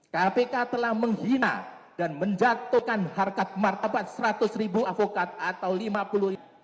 kpk telah menghina dan menjatuhkan harga pematah seratus ribu avokat atau lima puluh ribu